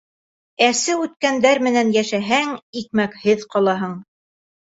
Әсе үткәндәр менән йәшәһәң, икмәкһеҙ ҡалаһың.